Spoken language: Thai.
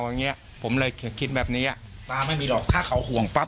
อย่างนี้ผมเลยจะคิดแบบนี้บาไม่มีหรอกถ้าเขาห่วงแป๊บ